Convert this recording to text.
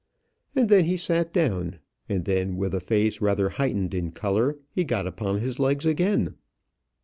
And then he sat down; and then, with a face rather heightened in colour, he got upon his legs again.